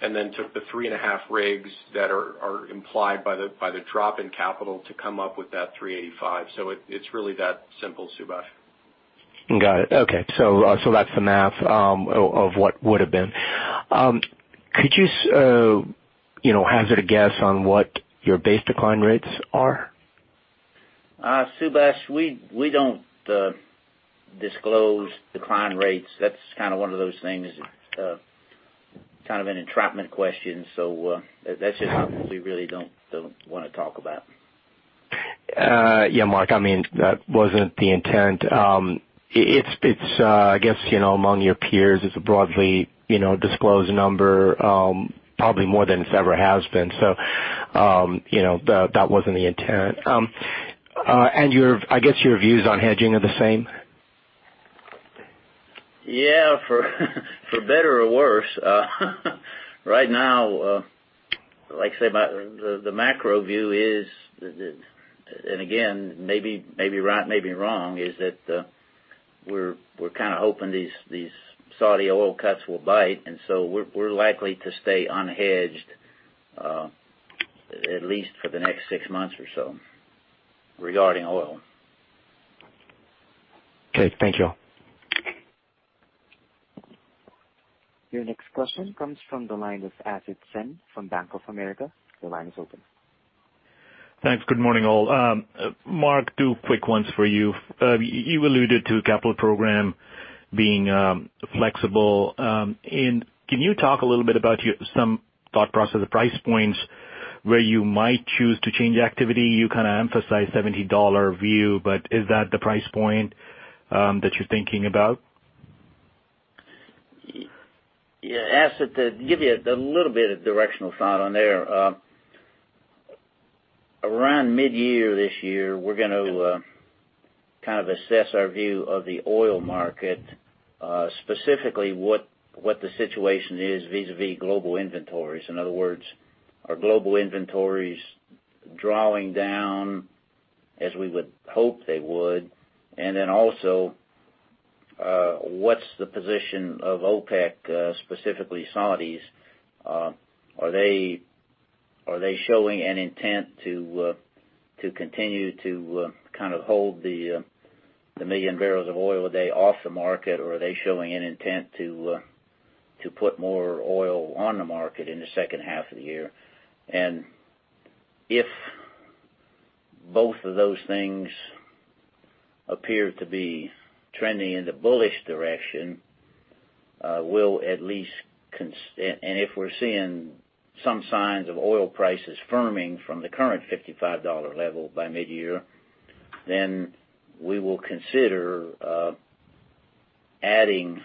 then took the three and a half rigs that are implied by the drop in capital to come up with that $385. It's really that simple, Subash. Got it. Okay. That's the math of what would've been. Could you hazard a guess on what your base decline rates are? Subash, we don't disclose decline rates. That's one of those things, kind of an entrapment question. That's just something we really don't want to talk about. Yeah, Mark, that wasn't the intent. I guess among your peers, it's a broadly disclosed number, probably more than it ever has been. That wasn't the intent. I guess your views on hedging are the same? Yeah. For better or worse, right now, the macro view is, again, may be right, may be wrong, is that we're hoping these Saudi oil cuts will bite, and so we're likely to stay unhedged, at least for the next six months or so, regarding oil. Okay. Thank you. Your next question comes from the line of Asit Sen from Bank of America. Your line is open. Thanks. Good morning, all. Mark, two quick ones for you. You alluded to capital program being flexible. Can you talk a little bit about some thought process or price points where you might choose to change activity? You emphasized $70 view, but is that the price point that you're thinking about? Yeah. Asit, to give you a little bit of directional thought on there. Around mid-year this year, we're going to assess our view of the oil market, specifically what the situation is vis-a-vis global inventories. In other words, are global inventories drawing down as we would hope they would? Also, what's the position of OPEC, specifically Saudis? Are they showing an intent to continue to hold the million barrels of oil a day off the market, or are they showing an intent to put more oil on the market in the second half of the year? If both of those things appear to be trending in the bullish direction, and if we're seeing some signs of oil prices firming from the current $55 level by mid-year, then we will consider adding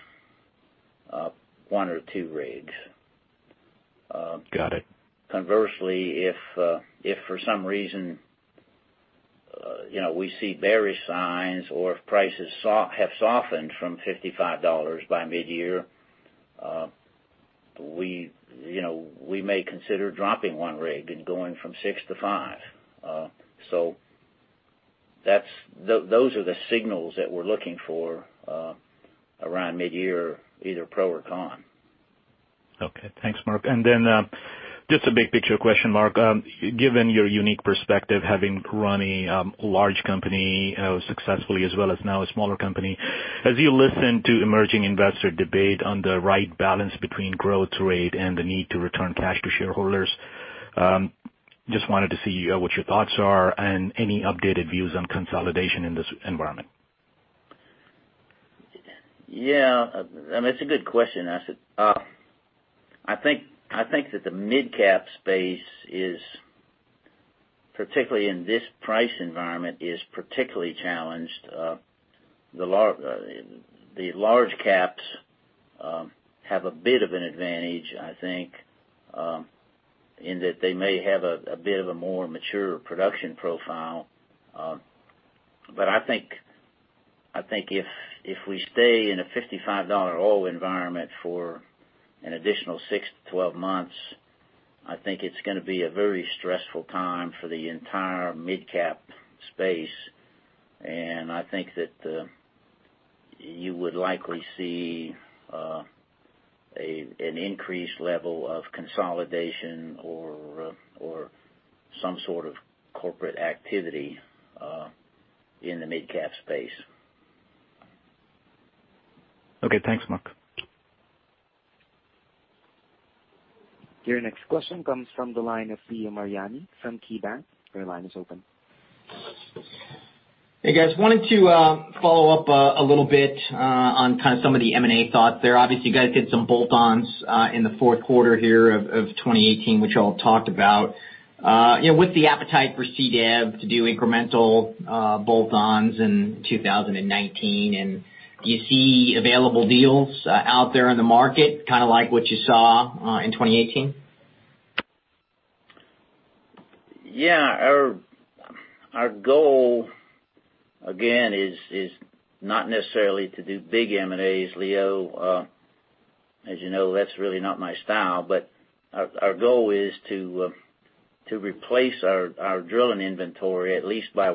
one or two rigs. Got it. Conversely, if for some reason we see bearish signs or if prices have softened from $55 by mid-year, we may consider dropping one rig and going from six to five. Those are the signals that we're looking for around mid-year, either pro or con. Okay. Thanks, Mark. Just a big picture question, Mark. Given your unique perspective, having run a large company successfully as well as now a smaller company, as you listen to emerging investor debate on the right balance between growth rate and the need to return cash to shareholders, just wanted to see what your thoughts are and any updated views on consolidation in this environment. Yeah. That's a good question, Asit. I think that the mid-cap space, particularly in this price environment, is particularly challenged. The large caps have a bit of an advantage, I think, in that they may have a bit of a more mature production profile. I think if we stay in a $55 oil environment for an additional six to 12 months, I think it's going to be a very stressful time for the entire mid-cap space. I think that you would likely see an increased level of consolidation or some sort of corporate activity in the mid-cap space. Okay. Thanks, Mark. Your next question comes from the line of Leo Mariani from KeyBank. Your line is open. Hey, guys. Wanted to follow up a little bit on some of the M&A thoughts there. Obviously, you guys did some bolt-ons in the fourth quarter here of 2018, which you all talked about. With the appetite for CDEV to do incremental bolt-ons in 2019, do you see available deals out there in the market, like what you saw in 2018? Yeah. Our goal, again, is not necessarily to do big M&As, Leo. As you know, that's really not my style. Our goal is to replace our drilling inventory at least by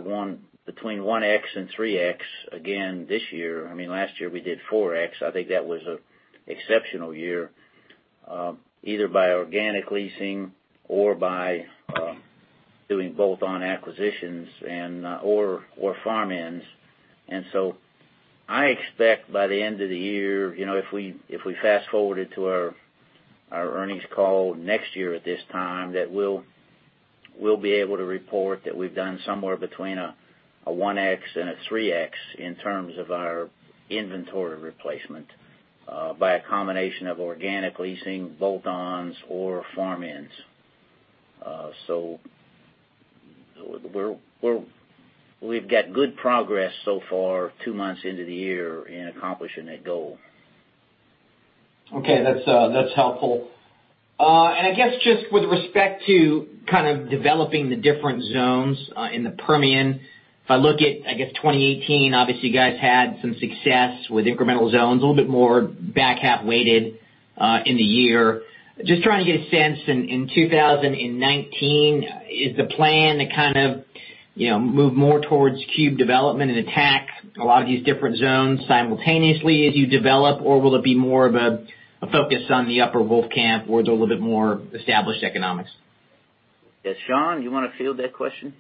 between 1x and 3x again this year. Last year, we did 4x. I think that was an exceptional year. Either by organic leasing or by doing bolt-on acquisitions or farm-ins. I expect by the end of the year, if we fast-forward it to our earnings call next year at this time, that we'll be able to report that we've done somewhere between a 1x and a 3x in terms of our inventory replacement by a combination of organic leasing, bolt-ons or farm-ins. We've got good progress so far, two months into the year in accomplishing that goal. Okay. That's helpful. I guess just with respect to developing the different zones in the Permian, if I look at, I guess 2018, obviously you guys had some success with incremental zones, a little bit more back half weighted in the year. Just trying to get a sense in 2019, is the plan to move more towards cube development and attack a lot of these different zones simultaneously as you develop? Or will it be more of a focus on the Upper Wolfcamp where there's a little bit more established economics? Yes. Sean, you want to field that question?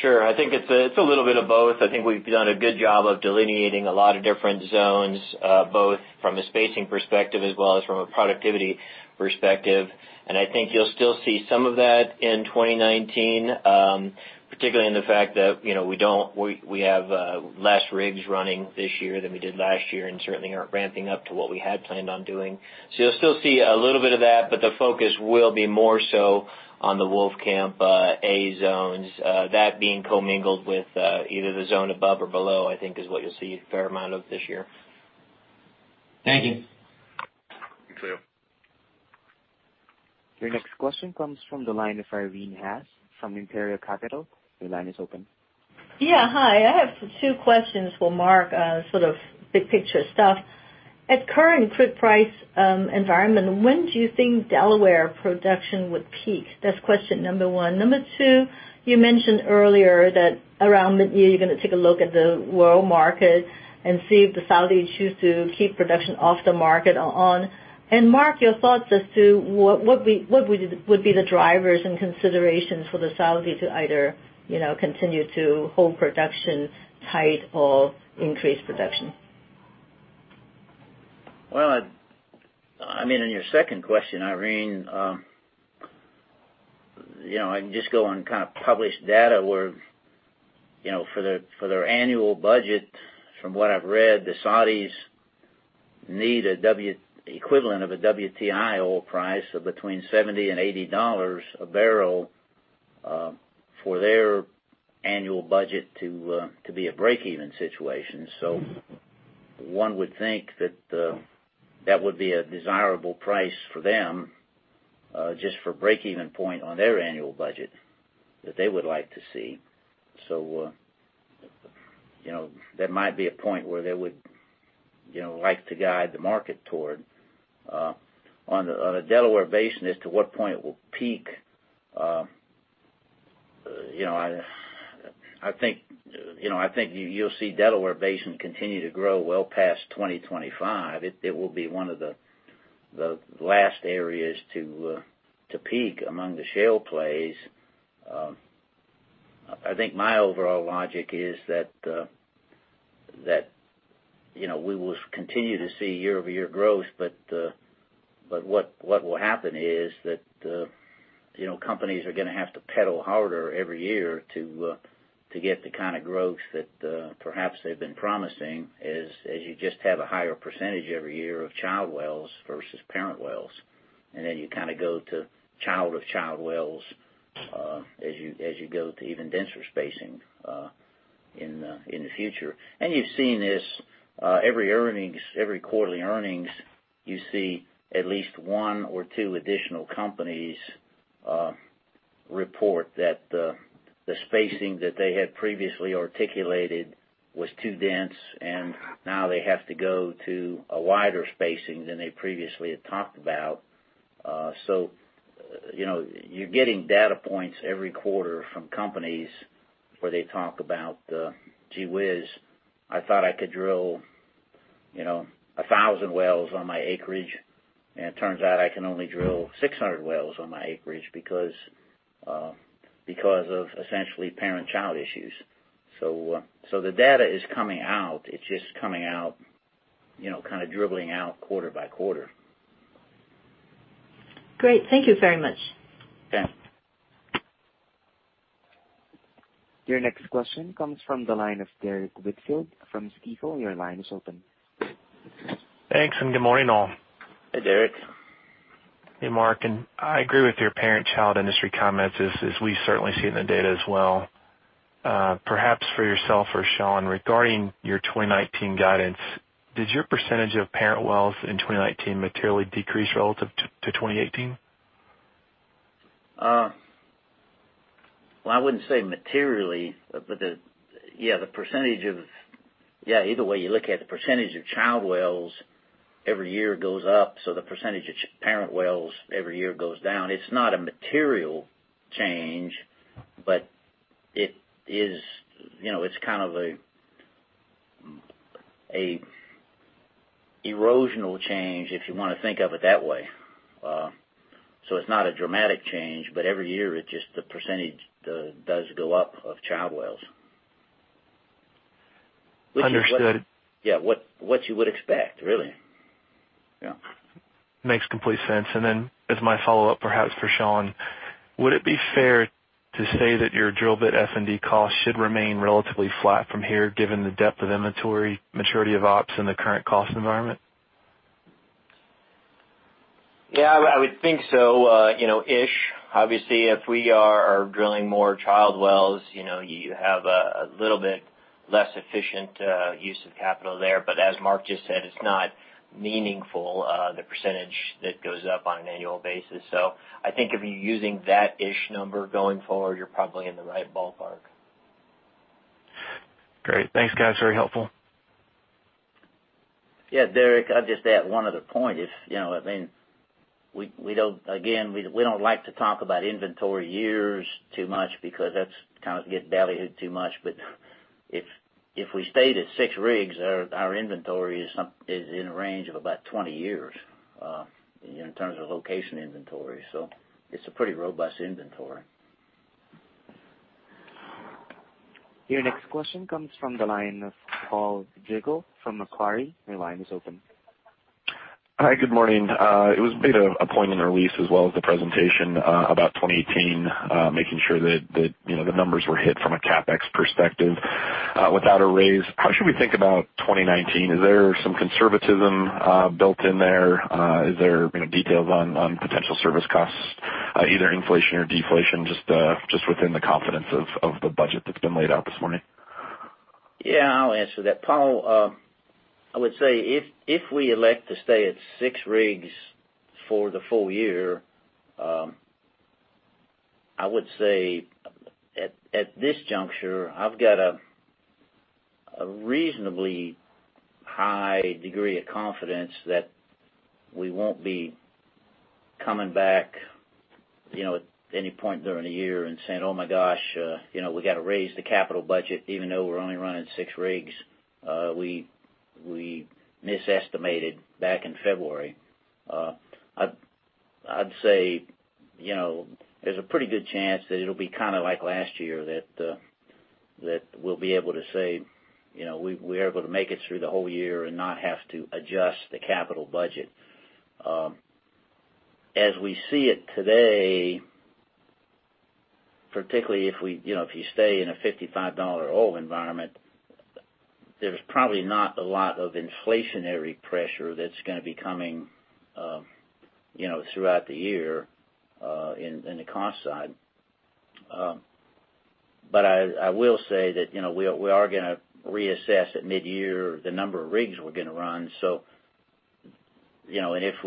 Sure. I think it's a little bit of both. I think we've done a good job of delineating a lot of different zones, both from a spacing perspective as well as from a productivity perspective. I think you'll still see some of that in 2019, particularly in the fact that we have less rigs running this year than we did last year, and certainly aren't ramping up to what we had planned on doing. You'll still see a little bit of that, but the focus will be more so on the Wolfcamp A zones. That being co-mingled with either the zone above or below, I think is what you'll see a fair amount of this year. Thank you. Thank you. Your next question comes from the line of Irene Haas from Imperial Capital. Your line is open. Yeah. Hi. I have two questions for Mark, sort of big picture stuff. At current crude price environment, when do you think Delaware production would peak? That's question number one. Number two, you mentioned earlier that around mid-year, you're going to take a look at the world market and see if the Saudis choose to keep production off the market or on. Mark, your thoughts as to what would be the drivers and considerations for the Saudis to either continue to hold production tight or increase production? Well, on your second question, Irene, I can just go on published data where for their annual budget, from what I've read, the Saudis need equivalent of a WTI oil price of between $70 and $80 a barrel, for their annual budget to be a breakeven situation. One would think that that would be a desirable price for them, just for breakeven point on their annual budget that they would like to see. That might be a point where they would like to guide the market toward. On the Delaware Basin, as to what point it will peak, I think you'll see Delaware Basin continue to grow well past 2025. It will be one of the last areas to peak among the shale plays. I think my overall logic is that we will continue to see year-over-year growth, but what will happen is that companies are going to have to pedal harder every year to get the kind of growth that perhaps they've been promising, as you just have a higher % every year of child wells versus parent wells. Then you go to child of child wells, as you go to even denser spacing in the future. You've seen this every quarterly earnings, you see at least one or two additional companies report that the spacing that they had previously articulated was too dense, and now they have to go to a wider spacing than they previously had talked about. You're getting data points every quarter from companies where they talk about, "Gee whiz, I thought I could drill 1,000 wells on my acreage, and it turns out I can only drill 600 wells on my acreage because of essentially parent-child issues." The data is coming out. It's just coming out, kind of dribbling out quarter by quarter. Great. Thank you very much. Okay. Your next question comes from the line of Derrick Whitfield from Stifel. Your line is open. Thanks, good morning, all. Hey, Derrick. Hey, Mark, I agree with your parent-child industry comments, as we certainly see in the data as well. Perhaps for yourself or Sean, regarding your 2019 guidance, did your percentage of parent wells in 2019 materially decrease relative to 2018? Well, I wouldn't say materially, but yeah, either way you look at it, the percentage of child wells every year goes up, so the percentage of parent wells every year goes down. It's not a material change, but it's an erosional change, if you want to think of it that way. It's not a dramatic change, but every year, it's just the percentage does go up of child wells. Understood. Yeah. What you would expect, really. Yeah. Makes complete sense. As my follow-up, perhaps for Sean, would it be fair to say that your drill bit F&D costs should remain relatively flat from here, given the depth of inventory, maturity of ops, and the current cost environment? Yeah, I would think so, ish. Obviously, if we are drilling more child wells, you have a little bit less efficient use of capital there. As Mark just said, it's not meaningful, the percentage that goes up on an annual basis. I think if you're using that ish number going forward, you're probably in the right ballpark. Great. Thanks, guys. Very helpful. Yeah. Derrick, I'd just add one other point. Again, we don't like to talk about inventory years too much because that gets belly-hit too much. If we stayed at six rigs, our inventory is in a range of about 20 years, in terms of location inventory. It's a pretty robust inventory. Your next question comes from the line of Paul Diamond from Macquarie. Your line is open. Hi. Good morning. It was made a point in the release as well as the presentation about 2018, making sure that the numbers were hit from a CapEx perspective. Without a raise, how should we think about 2019? Is there some conservatism built in there? Is there details on potential service costs, either inflation or deflation, just within the confidence of the budget that's been laid out this morning? Yeah, I'll answer that. Paul, I would say if we elect to stay at 6 rigs for the full year, I would say at this juncture, I've got a reasonably high degree of confidence that we won't be coming back at any point during the year and saying, "Oh my gosh, we've got to raise the capital budget even though we're only running 6 rigs. We misestimated back in February." I'd say there's a pretty good chance that it'll be like last year that we'll be able to say we're able to make it through the whole year and not have to adjust the capital budget. As we see it today, particularly if you stay in a $55 oil environment, there's probably not a lot of inflationary pressure that's going to be coming throughout the year in the cost side. I will say that we are going to reassess at mid-year the number of rigs we're going to run. If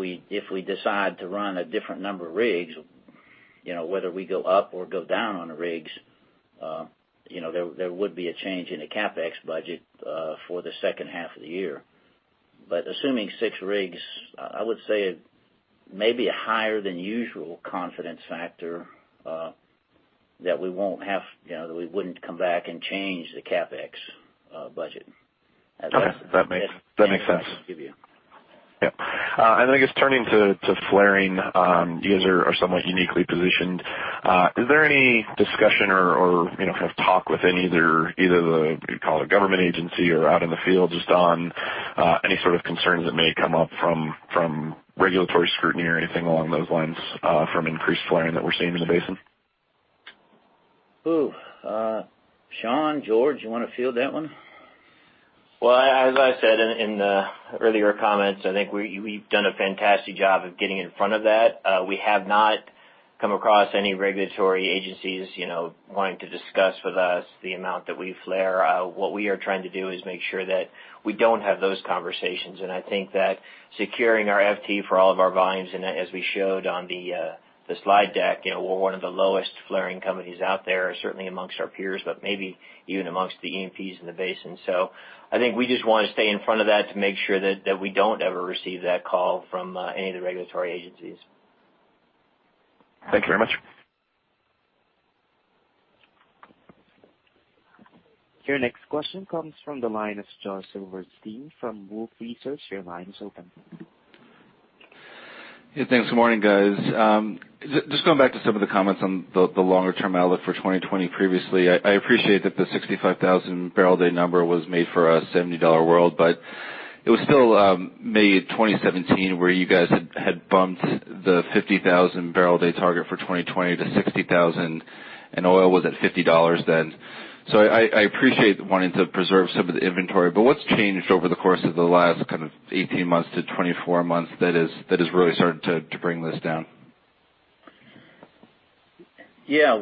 we decide to run a different number of rigs, whether we go up or go down on the rigs, there would be a change in the CapEx budget for the second half of the year. Assuming 6 rigs, I would say maybe a higher than usual confidence factor that we wouldn't come back and change the CapEx budget. Okay. That makes sense. That's the answer I can give you. Yep. I guess turning to flaring, you guys are somewhat uniquely positioned. Is there any discussion or talk within either the, call it government agency or out in the field, just on any sort of concerns that may come up from regulatory scrutiny or anything along those lines from increased flaring that we're seeing in the basin? Sean, George, you want to field that one? Well, as I said in the earlier comments, I think we've done a fantastic job of getting in front of that. We have not come across any regulatory agencies wanting to discuss with us the amount that we flare. What we are trying to do is make sure that we don't have those conversations. I think that securing our FT for all of our volumes, and as we showed on the slide deck, we're one of the lowest flaring companies out there, certainly amongst our peers, but maybe even amongst the E&Ps in the basin. I think we just want to stay in front of that to make sure that we don't ever receive that call from any of the regulatory agencies. Thank you very much. Your next question comes from the line of Josh Silverstein from Wolfe Research. Your line is open. Yeah, thanks. Good morning, guys. Just going back to some of the comments on the longer-term outlook for 2020 previously. I appreciate that the 65,000 barrel a day number was made for a $70 world, but it was still May 2017 where you guys had bumped the 50,000 barrel a day target for 2020 to 60,000, and oil was at $50 then. I appreciate wanting to preserve some of the inventory, but what's changed over the course of the last 18 months to 24 months that has really started to bring this down? Yeah.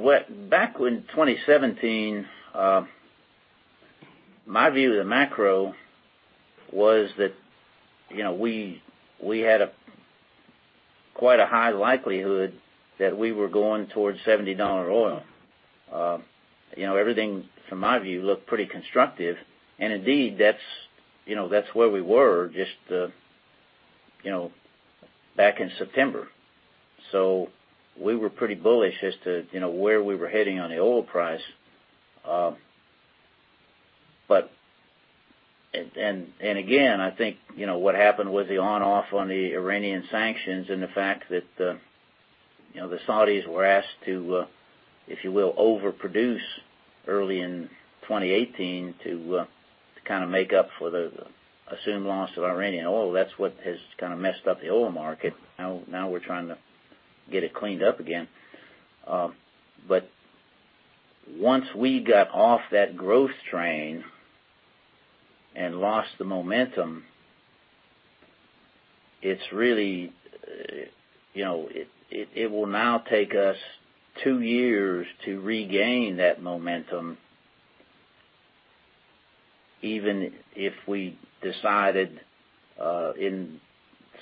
Back in 2017, my view of the macro was that we had quite a high likelihood that we were going towards $70 oil. Everything, from my view, looked pretty constructive. Indeed, that's where we were just back in September. We were pretty bullish as to where we were heading on the oil price. Again, I think, what happened was the on-off on the Iranian sanctions and the fact that the Saudis were asked to, if you will, overproduce early in 2018 to make up for the assumed loss of Iranian oil. That's what has messed up the oil market. Now we're trying to get it cleaned up again. Once we got off that growth train and lost the momentum, it will now take us two years to regain that momentum, even if we decided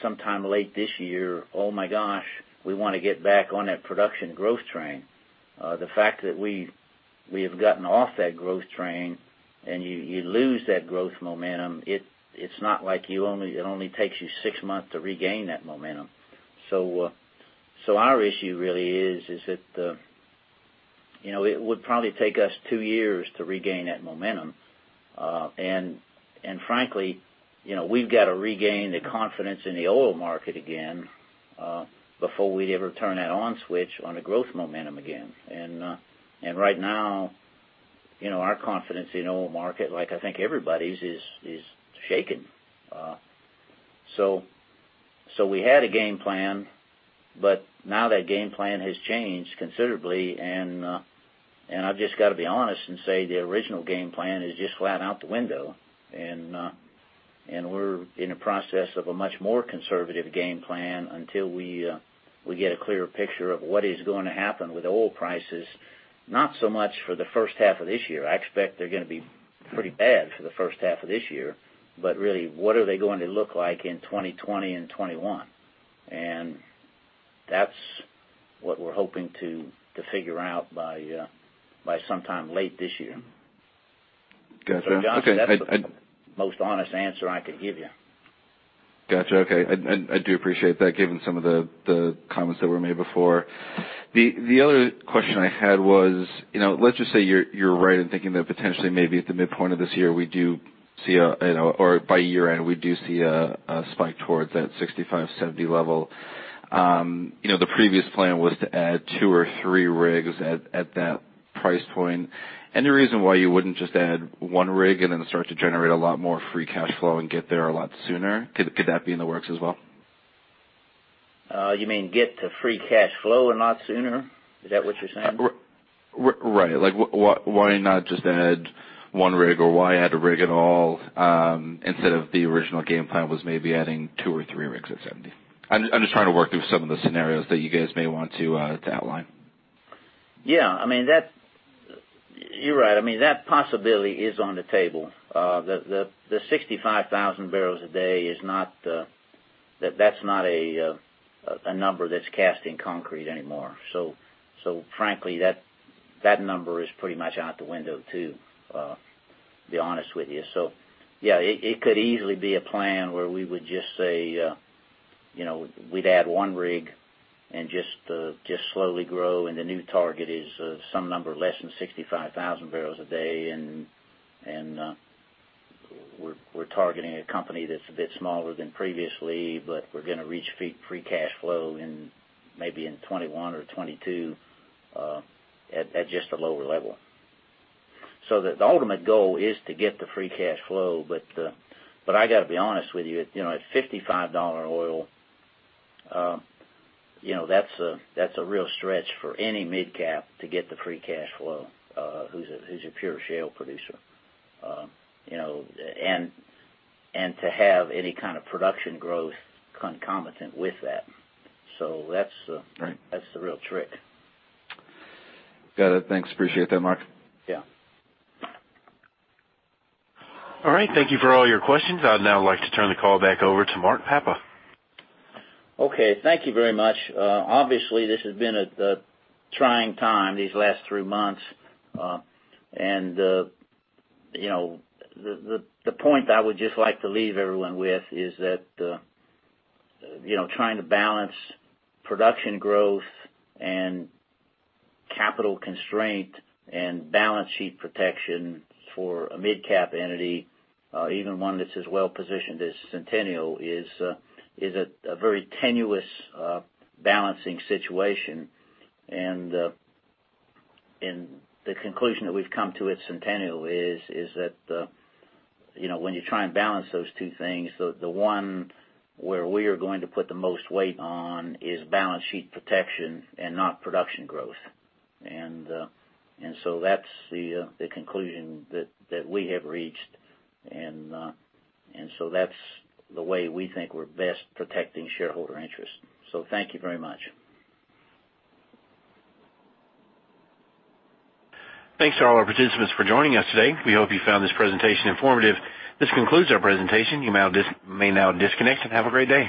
sometime late this year, "Oh my gosh, we want to get back on that production growth train." The fact that we have gotten off that growth train and you lose that growth momentum, it's not like it only takes you six months to regain that momentum. Our issue really is that it would probably take us two years to regain that momentum. Frankly, we've got to regain the confidence in the oil market again, before we'd ever turn that on switch on the growth momentum again. Right now, our confidence in oil market, like I think everybody's, is shaken. We had a game plan, that game plan has changed considerably, I've just got to be honest and say the original game plan is just flat out the window, we're in a process of a much more conservative game plan until we get a clearer picture of what is going to happen with oil prices, not so much for the first half of this year. I expect they're going to be pretty bad for the first half of this year, really, what are they going to look like in 2020 and 2021? That's what we're hoping to figure out by sometime late this year. Got you. Okay. Josh, that's the most honest answer I could give you. Got you. Okay. I do appreciate that, given some of the comments that were made before. The other question I had was, let's just say you're right in thinking that potentially maybe at the midpoint of this year, or by year-end, we do see a spike towards that $65-$70 level. The previous plan was to add two or three rigs at that price point. Any reason why you wouldn't just add one rig and then start to generate a lot more free cash flow and get there a lot sooner? Could that be in the works as well? You mean get to free cash flow a lot sooner? Is that what you're saying? Right. Why not just add one rig, or why add a rig at all, instead of the original game plan was maybe adding two or three rigs at 70? I'm just trying to work through some of the scenarios that you guys may want to outline. Yeah. You're right. That possibility is on the table. The 65,000 barrels a day, that's not a number that's cast in concrete anymore. Frankly, that number is pretty much out the window, too, be honest with you. Yeah, it could easily be a plan where we would just say, we'd add one rig and just slowly grow, and the new target is some number less than 65,000 barrels a day, and we're targeting a company that's a bit smaller than previously, but we're going to reach free cash flow maybe in 2021 or 2022 at just a lower level. The ultimate goal is to get the free cash flow, but I got to be honest with you, at $55 oil, that's a real stretch for any midcap to get the free cash flow, who's a pure shale producer, and to have any kind of production growth concomitant with that. Right that's the real trick. Got it. Thanks. Appreciate that, Mark. Yeah. All right. Thank you for all your questions. I'd now like to turn the call back over to Mark Papa. Okay. Thank you very much. Obviously, this has been a trying time these last three months. The point I would just like to leave everyone with is that, trying to balance production growth and capital constraint and balance sheet protection for a midcap entity, even one that's as well-positioned as Centennial, is a very tenuous balancing situation. The conclusion that we've come to at Centennial is that, when you try and balance those two things, the one where we are going to put the most weight on is balance sheet protection and not production growth. That's the conclusion that we have reached, and so that's the way we think we're best protecting shareholder interest. Thank you very much. Thanks to all our participants for joining us today. We hope you found this presentation informative. This concludes our presentation. You may now disconnect, and have a great day.